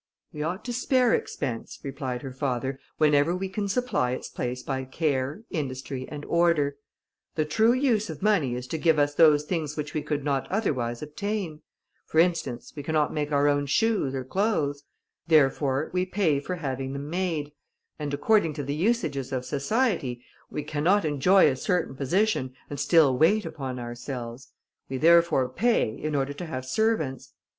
"We ought to spare expense," replied her father, "whenever we can supply its place by care, industry, and order. The true use of money is to give us those things which we could not otherwise obtain; for instance, we cannot make our own shoes or clothes; therefore, we pay for having them made; and according to the usages of society, we cannot enjoy a certain position, and still wait upon ourselves; we therefore pay, in order to have servants.